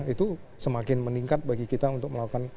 itu semakin meningkat bagi kita untuk melakukan satu peristiwa